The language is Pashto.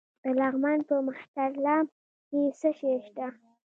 د لغمان په مهترلام کې څه شی شته؟